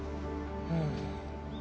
うん。